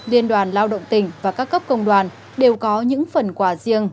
liên đoàn lao động tỉnh và các cấp công đoàn đều có những phần quà riêng